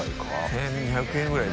１２００円ぐらい。